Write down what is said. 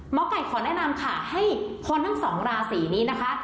หมอไก่ขอแนะนำค่ะให้คนทั้งสองราศีนี้นะคะ